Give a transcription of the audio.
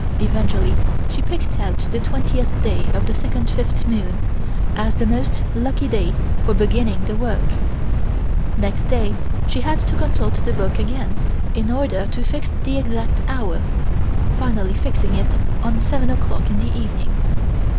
Eventually she picked out the twentieth day of the second fifth moon as the most lucky day for beginning the work. Next she had to consult the book again in order to fix on the exact hour, finally fixing on 7 o'clock in the evening.